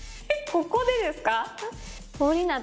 ここでですか？